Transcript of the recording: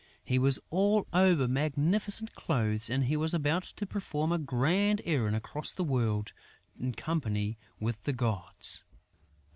He was all over magnificent clothes; and he was about to perform a grand errand across the world in company with the gods!